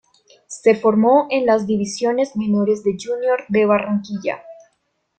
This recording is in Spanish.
Se formó en las divisiones menores del Junior de Barranquilla.